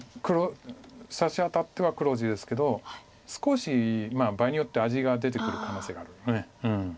さしあたっては黒地ですけど少し場合によっては味が出てくる可能性があるんだね。